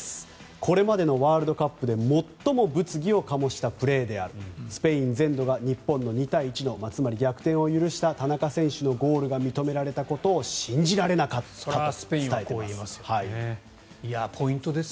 これまでのワールドカップで最も物議を醸したプレーであるスペイン全土が日本の２対１つまり、逆転を許した田中選手のゴールが認められたことは信じられなかったと伝えています。